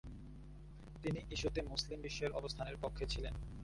তিনি ইস্যুতে মুসলিম বিশ্বের অবস্থানের পক্ষে ছিলেন।